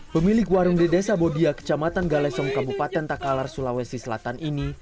pemilik warung di desa bodia kecamatan galesong kabupaten takalar sulawesi selatan ini